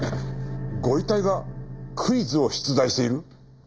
ご遺体がクイズを出題している？